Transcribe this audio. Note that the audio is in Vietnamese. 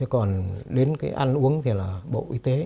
còn đến ăn uống thì là bộ y tế